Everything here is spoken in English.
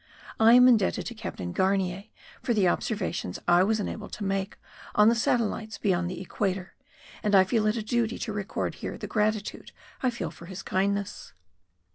I am indebted to Captain Garnier for the observations I was enabled to make on the satellites beyond the equator and I feel it a duty to record here the gratitude I feel for his kindness.